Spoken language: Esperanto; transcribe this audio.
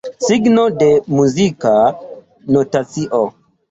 Signo de muzika notacio.